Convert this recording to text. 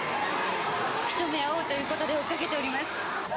ひと目会おうという事で追いかけております。